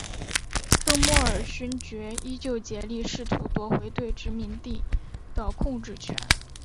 邓莫尔勋爵依旧竭力试图夺回对殖民地的控制权。